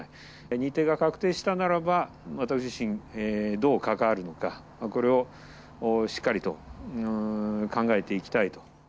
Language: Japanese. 日程が確定したならば、私自身、どう関わるのか、これをしっかりと考えていきたいと。